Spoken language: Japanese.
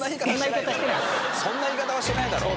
そんな言い方はしてないだろ。